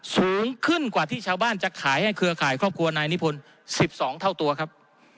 สูงขึ้นกว่าที่ชาวบ้านจะขายให้เครือข่ายครอบครัวนายนิพนธ์๑๒เท่าตัวครับ